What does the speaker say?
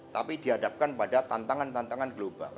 tapi dihadapkan pada tantangan tantangan global